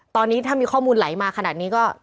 ตอนนี้ถ้ามีข้อมูลไหลมาขนาดนี้ก็